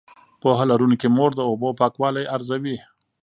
پوهه لرونکې مور د اوبو پاکوالی ارزوي.